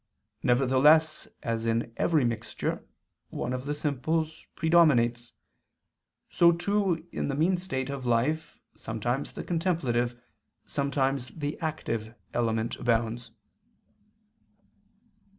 Nevertheless as in every mixture one of the simples predominates, so too in the mean state of life sometimes the contemplative, sometimes the active element, abounds.